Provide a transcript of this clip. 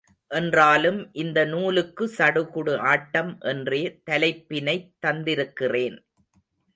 என்றாலும் இந்த நூலுக்கு சடுகுடு ஆட்டம் என்றே தலைப்பினைத் தந்திருக்கிறேன்.